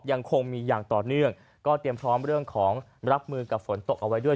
ยังคงมีอย่างต่อเนื่องก็เตรียมพร้อมเรื่องของรับมือกับฝนตกเอาไว้ด้วย